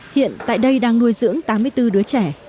hiện tại đây đang nuôi dưỡng tám mươi bốn đứa trẻ